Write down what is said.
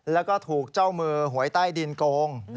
แล้วก็ถูกเจ้ามือหวยใต้ดินโกง